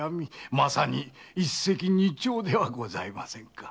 まさに一石二鳥ではありませんか。